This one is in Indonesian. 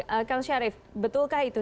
oke kang syarif betulkah itu